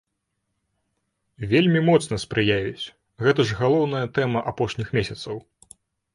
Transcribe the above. Вельмі моцна спрыяюць, гэта ж галоўная тэма апошніх месяцаў.